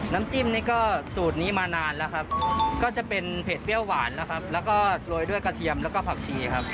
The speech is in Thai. น้ำจิ้มนี่ก็สูตรนี้มานานแล้วครับก็จะเป็นเผ็ดเปรี้ยวหวานนะครับแล้วก็โรยด้วยกระเทียมแล้วก็ผักชีครับ